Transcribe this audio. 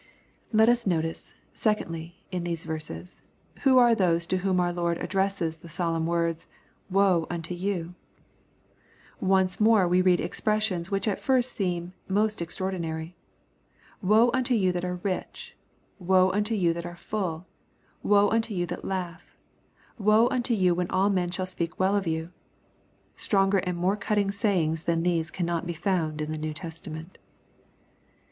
Let us notice, secondly, in these verses, who are those to whom our Lord addresses the solemn words, " Woe unto youJ' Once more we read expressions which at first sight seem most extraordinary. " Woe unto you that are rich 1 — Woe unto you that are full !— Woe unto you that laugh 1 — Woe unto you when all men shall speak well of you I" — Stronger and more cutting sayings than these cannot be found in the New Testament.